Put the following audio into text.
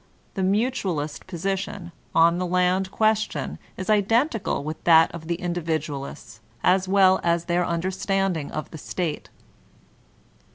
The mutualist position on the land question is identical with that of the Indi vidualists, as well as their understanding of the State.